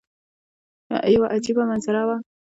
یوه عجیبه منظره وه.